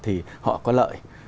thì họ có lợi